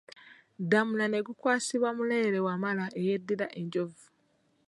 Ddamula ne gukwasibwa Mulere Wamala eyeddira Enjovu.